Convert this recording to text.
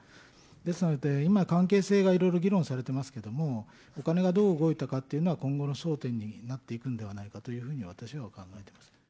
ですので、今、関係性がいろいろ議論されてますけども、お金がどう動いたかっていうのが、今後の争点になっていくんではないかというふうに、私は考えています。